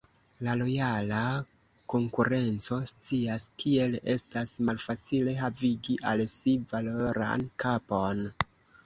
La Lojala Konkurenco scias, kiel estas malfacile havigi al si valoran kapon.